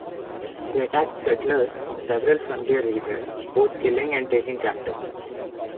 They attacked settlers in several frontier regions, both killing and taking captives.